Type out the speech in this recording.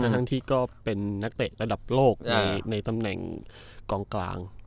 ทั้งที่ก็เป็นนักเตะระดับโลกในตำแหน่งกองกลาง